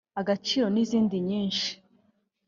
Agaciro n’izindi nyinshi